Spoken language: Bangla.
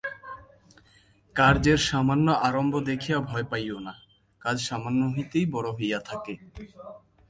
কার্যের সামান্য আরম্ভ দেখিয়া ভয় পাইও না, কাজ সামান্য হইতেই বড় হইয়া থাকে।